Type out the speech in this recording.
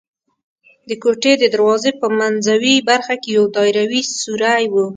د کوټې د دروازې په منځوۍ برخه کې یو دایروي سوری و.